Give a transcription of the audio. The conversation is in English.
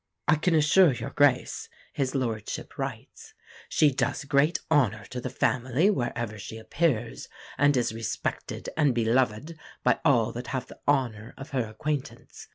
"I can assure your Grace," his lordship writes, "she does great honour to the family wherever she appears, and is respected and beloved by all that have the honour of her acquaintance.